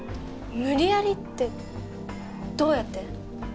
無理やりってどうやって？